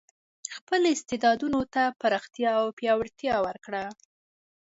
خپل استعدادونو ته پراختیا او پیاوړتیا ورکړو.